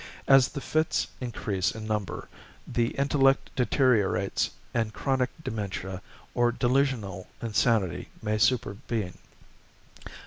As the fits increase in number, the intellect deteriorates and chronic dementia or delusional insanity may supervene.